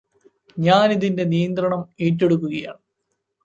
ഞാനിതിന്റെ നിയന്ത്രണം ഏറ്റെടുക്കുകയാണ്